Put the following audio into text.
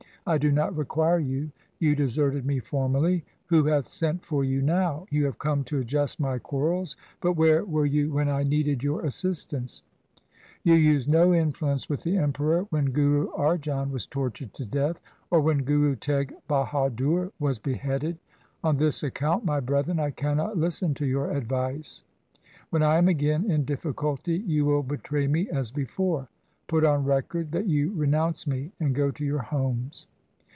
I do not require you. You deserted me formerly. Who hath sent for you now ? You have come to adjust my quarrels, but where were ycru when I needed your p 2 2i2 THE SIKH RELIGION assistance ? You used no influence with the Emperor when Guru Arjan was tortured to death, or when Guru Teg Bahadur was beheaded. On this account, my brethren, I cannot listen to your advice. When I am again in difficulty, you will betray me as before. Put on record that you renounce me and go to your homes.'